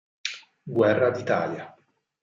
Guerra d'Italia